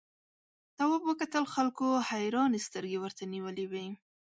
تواب وکتل خلکو حیرانې سترګې ورته نیولې وې.